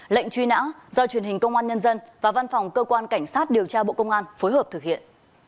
lệnh truy nã do truyền hình công an nhân dân và văn phòng cơ quan cảnh sát điều tra bộ công an phối hợp thực hiện